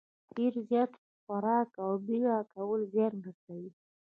ډېر زیات خوراک او بېړه کول زیان رسوي.